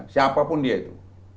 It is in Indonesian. siapa pun dia itu